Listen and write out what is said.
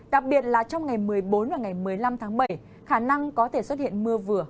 đặc biệt là trong ngày một mươi bốn và ngày một mươi năm tháng bảy khả năng có thể xuất hiện mưa vừa